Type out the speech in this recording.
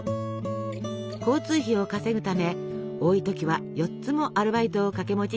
交通費を稼ぐため多い時は４つもアルバイトを掛け持ちしていたとか。